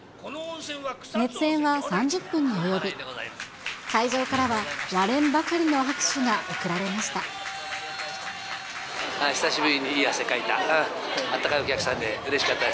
熱演は３０分に及び、会場からは、割れんばかりの拍手が送られまし久しぶりにいい汗かいた。